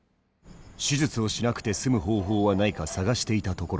手術をしなくて済む方法はないか探していたところ